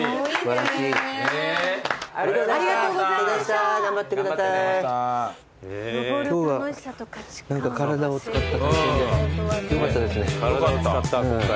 今日は体を使った体験でよかったですね。